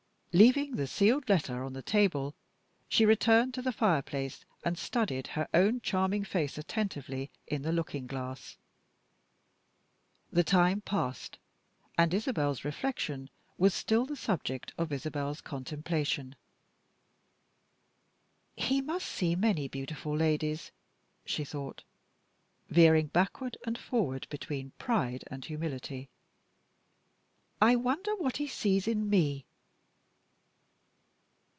Leaving the sealed letter on the table, she returned to the fireplace, and studied her own charming face attentively in the looking glass. The time passed and Isabel's reflection was still the subject of Isabel's contemplation. "He must see many beautiful ladies," she thought, veering backward and forward between pride and humility. "I wonder what he sees in Me?"